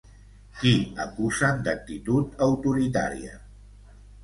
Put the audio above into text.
Qui acusen d'actitud autoritària?